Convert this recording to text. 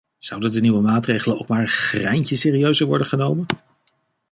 Zouden de nieuwe maatregelen ook maar een greintje serieuzer worden genomen?